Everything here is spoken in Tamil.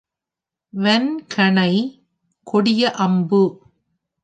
வன் கணை—கொடிய அம்பு.